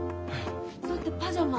だってパジャマ。